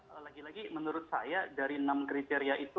ya lagi lagi menurut saya dari enam kriteria itu